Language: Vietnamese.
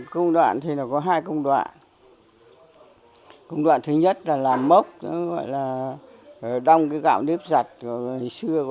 tương cự đà có thể được làm bằng nước đậu